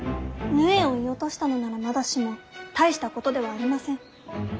鵺を射落としたのならまだしも大したことではありません。